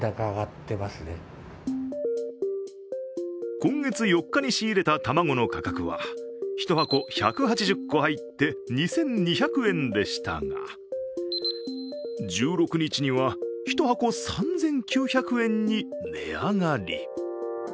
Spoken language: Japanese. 今月４日に仕入れた卵の価格は１箱１８０個入って２２００円でしたが１６日には１箱３９００円に値上がり。